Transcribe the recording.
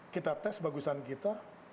kita tes bagusan kita